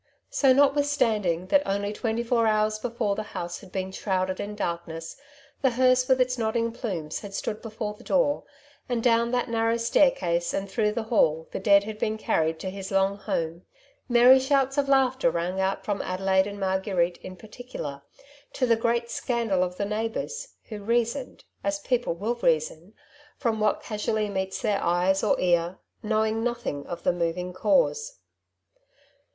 So, notwithstanding that only twenty four hoars before the house had been shrouded in darkness, the hearse with its nodding plumes had stood before the door, and down that narrow staircase and through the hall the dead had been carried to his long home — merry shouts of laughter rang out from Adelaide and Marguerite in particular, to the great scandal of the neighbours, who reasoned — as people will reason — from what casually meets their eye or ear, knowing nothing of the moving cause.